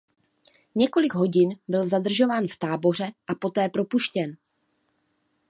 Několik hodin byl zadržován v táboře a poté propuštěn.